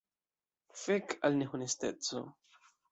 Fek al nehonesteco!